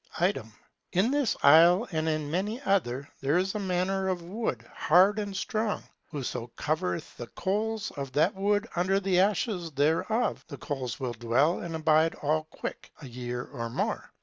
Item; in this isle and in many other, there is a manner of wood, hard and strong. Whoso covereth the coals of that wood under the ashes thereof, the coals will dwell and abide all quick, a year or more.